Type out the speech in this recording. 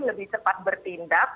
lebih cepat bertindak